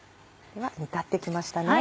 煮立って来ましたね。